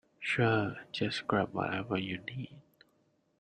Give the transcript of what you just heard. Sure, just grab whatever you need.